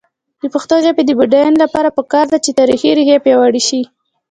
د پښتو ژبې د بډاینې لپاره پکار ده چې تاریخي ریښې پیاوړې شي.